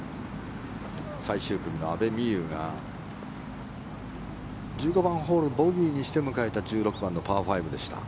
最終組の阿部未悠が１５番ホールボギーにして迎えた１６番のパー５でした。